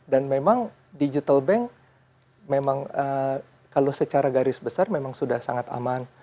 dan memang digital bank memang kalau secara garis besar memang sudah sangat aman